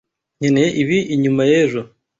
Nkeneye ibi inyuma ejo.